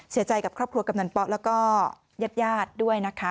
เสียใจกับครอบครัวกำนันเปาะและก็ญาติด้วยนะคะ